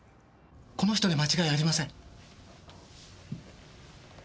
この人で間違いありません。